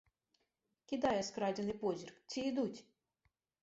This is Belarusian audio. Кідае скрадзены позірк, ці ідуць.